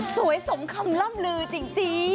สมคำล่ำลือจริง